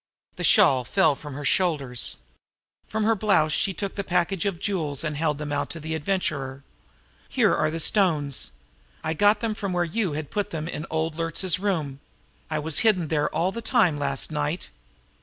The shawl fell from her shoulders; from her blouse she took the package of jewels and held them out to the Adventurer. "Here are the stones. I got them from where you had put them in old Luertz's room. I was hidden there all the time last night."